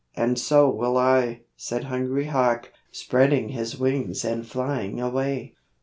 "And so will I," said Hungry Hawk, spreading his wings and flying away.